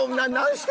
はい。